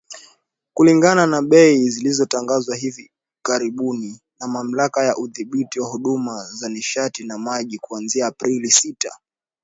Kulingana na bei zilizotangazwa hivi karibuni na Mamlaka ya Udhibiti wa Huduma za Nishati na Maji, kuanzia Aprili Sita